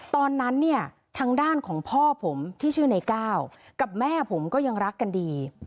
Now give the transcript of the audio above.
ตอนนั้นเนี่ยทางด้านของพ่อผมที่ชื่อในก้าวกับแม่ผมก็ยังรักกันดี